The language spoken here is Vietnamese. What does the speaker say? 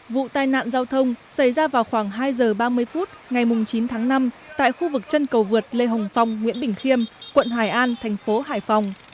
vụ tai nạn giao thông xảy ra vào khoảng hai giờ ba mươi phút ngày chín tháng năm tại khu vực chân cầu vượt lê hồng phong nguyễn bình khiêm quận hải an thành phố hải phòng